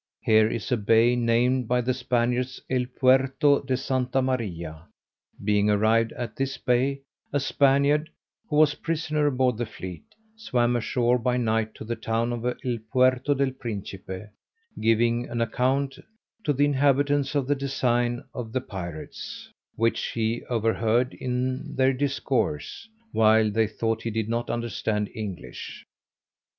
Here is a bay named by the Spaniards El Puerto de Santa Maria: being arrived at this bay, a Spaniard, who was prisoner aboard the fleet, swam ashore by night to the town of El Puerto del Principe, giving an account to the inhabitants of the design of the pirates, which he overheard in their discourse, while they thought he did not understand English.